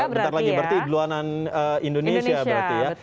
bentar lagi berarti geluanan indonesia berarti ya